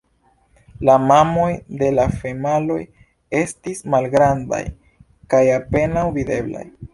La mamoj de la femaloj estis malgrandaj kaj apenaŭ videblaj.